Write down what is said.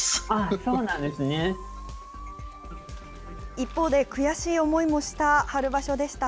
一方で悔しい思いもした春場所でした。